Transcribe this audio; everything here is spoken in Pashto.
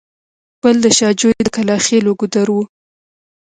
بل د شاه جوی د کلاخېلو ګودر و.